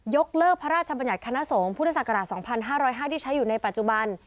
กเลิกพระราชบัญญัติคณะสงฆ์พุทธศักราช๒๕๐๕ที่ใช้อยู่ในปัจจุบัน